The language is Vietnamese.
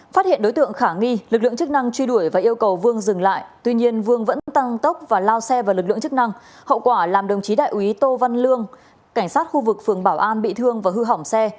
phát hiện đối tượng khả nghi lực lượng chức năng truy đuổi và yêu cầu vương dừng lại tuy nhiên vương vẫn tăng tốc và lao xe vào lực lượng chức năng hậu quả làm đồng chí đại úy tô văn lương cảnh sát khu vực phường bảo an bị thương và hư hỏng xe